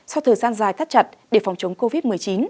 sau thời gian dài thắt chặt để phòng chống covid một mươi chín